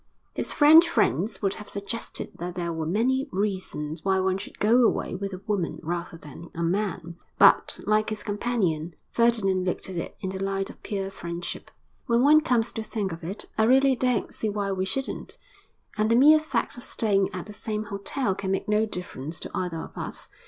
His French friends would have suggested that there were many reasons why one should go away with a woman rather than a man; but, like his companion, Ferdinand looked at it in the light of pure friendship. 'When one comes to think of it, I really don't see why we shouldn't. And the mere fact of staying at the same hotel can make no difference to either of us.